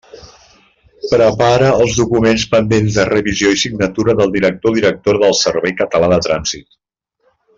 Prepara els documents pendents de revisió i signatura del director o directora del Servei Català de Trànsit.